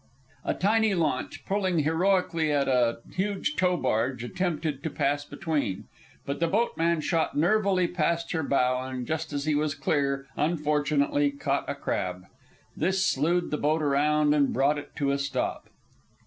A tiny launch, pulling heroically at a huge tow barge, attempted to pass between; but the boatman shot nervily across her bow, and just as he was clear, unfortunately, caught a crab. This slewed the boat around and brought it to a stop.